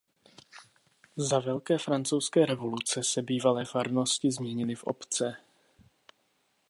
Za Velké francouzské revoluce se bývalé farnosti změnily v obce.